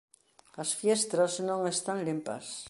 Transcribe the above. As fiestras non están limpas.